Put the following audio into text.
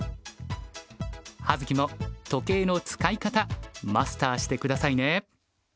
葉月も時計の使い方マスターしてくださいね。